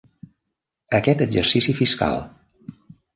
Aquest exercici fiscal.